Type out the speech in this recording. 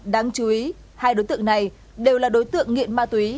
đáng chú ý hai đối tượng này đều là đối tượng nghiện ma túy